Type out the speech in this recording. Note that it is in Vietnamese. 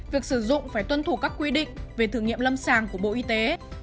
việc sử dụng phải tuân thủ các quy định về thử nghiệm lâm sàng của bộ y tế